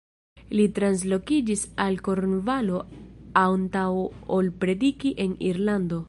Li translokiĝis al Kornvalo antaŭ ol prediki en Irlando.